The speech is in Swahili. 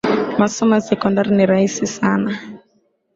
Masomo ya sekondari ni rahisi sana